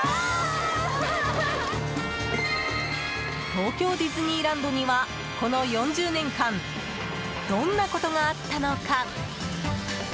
東京ディズニーランドにはこの４０年間どんなことがあったのか？